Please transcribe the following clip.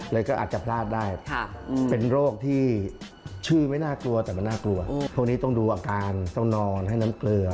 แล้วก็อาจจะพลาดได้เป็นโรคที่ชื่อไม่น่ากลัวแต่มันน่ากลัวพวกนี้ต้องดูอาการต้องนอนให้น้ำเกลือ